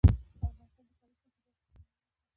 افغانستان د کابل سیند په برخه کې له نړیوالو سره کار کوي.